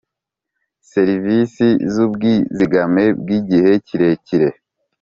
serivisi z ubwizigame bw igihe kirekire